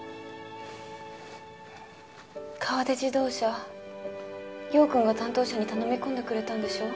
河出自動車陽君が担当者に頼み込んでくれたんでしょ？